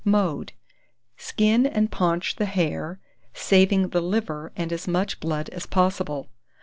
Mode. Skin and paunch the hare, saving the liver and as much blood as possible.